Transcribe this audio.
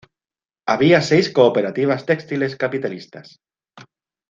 Había seis cooperativas textiles capitalistas.